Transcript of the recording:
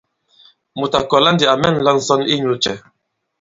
Mùt à kɔ̀la ndī à mɛ̂nla ǹsɔn inyū cɛ ?